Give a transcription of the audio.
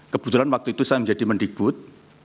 kebetulan waktu itu saya menjadi mendikbud